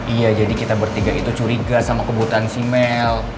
iya jadi kita bertiga itu curiga sama kebutuhan simel